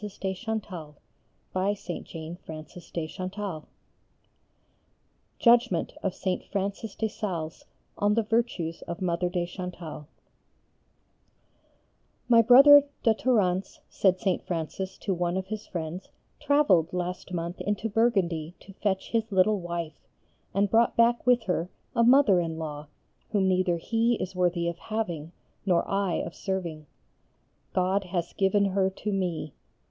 TO THE DUCHESS DE MONTMORENCY 252 CXI. TO A NOVICE 254 JUDGMENT OF ST. FRANCIS DE SALES ON THE VIRTUES OF MOTHER DE CHANTAL "My brother de Thorens," said St. Francis to one of his friends, "travelled last month into Burgundy to fetch his little wife, and brought back with her a mother in law whom neither he is worthy of having nor I of serving. God has given her to me.